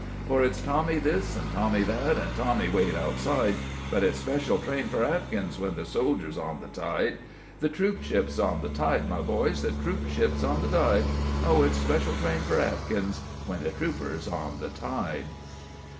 For it's Tommy this and Tommy that, an' "Tommy, wait outside"; But it's "Special train for Atkins" when the trooper's on the tide The troopship's on the tide, my boys the troopship's on the tide Oh! it's "Special train for Atkins" when the trooper's on the tide.